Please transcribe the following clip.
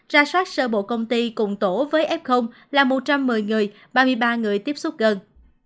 ra soát sơ bộ công ty cùng tổ với f là một trăm một mươi người ba mươi ba người tiếp xúc gần